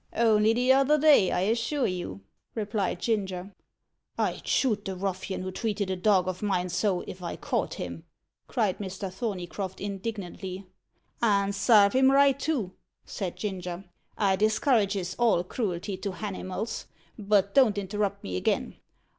"Only t'other day, I assure you," replied Ginger. "I'd shoot the ruffian who treated a dog of mine so, if I caught him!" cried Mr. Thorneycroft indignantly. "And sarve him right, too," said Ginger. "I discourages all cruelty to hanimals. But don't interrupt me again.